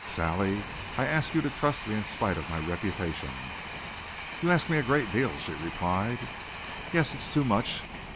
"Sally, I ask you to trust me in spite of my reputation." "You ask me a great deal," she replied. "Yes, it's too much.